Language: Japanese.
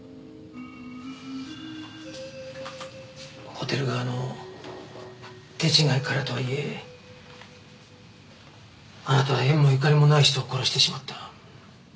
ホテル側の手違いからとはいえあなたは縁もゆかりもない人を殺してしまった。